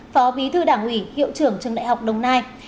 phó bí thư đảng ủy hiệu trưởng trường đại học đồng nai